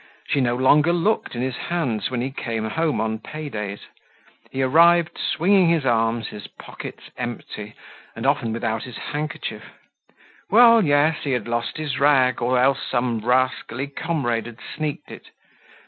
She no longer looked in his hands when he came home on paydays. He arrived swinging his arms, his pockets empty, and often without his handkerchief; well, yes, he had lost his rag, or else some rascally comrade had sneaked it.